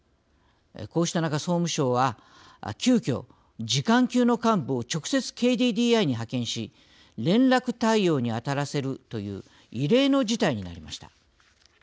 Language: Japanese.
こうした中、総務省は急きょ、次官級の幹部を直接、ＫＤＤＩに派遣し連絡対応にあたらせるという異例の事態になりました。